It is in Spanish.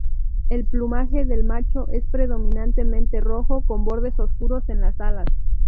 El plumaje del macho es predominantemente rojo con bordes oscuros en las alas.